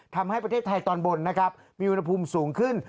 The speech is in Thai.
ทำให้ประเทศไทยตอนบนนะครับมีอุณหภูมิสูงขึ้น